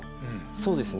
そうですね。